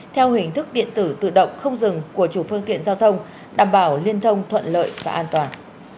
theo hình thức điện tử tự động không dừng của chủ phương tiện giao thông đảm bảo liên thông thuận lợi và an toàn